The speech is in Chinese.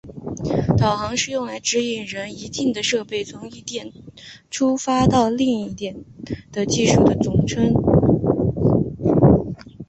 导航是用来指引人一定的设备从一点出发到达另一点的技术的总称。